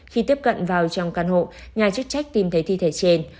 khi tiếp cận vào trong căn hộ nhà chức trách tìm thấy thi thể trên